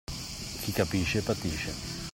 Chi capisce, patisce.